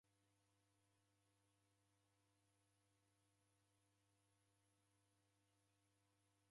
Ini sidimagha kunekana wutesia ghungi